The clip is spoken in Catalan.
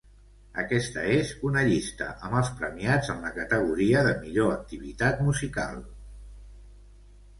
Aquesta és una llista amb els premiats en la categoria de millor activitat musical.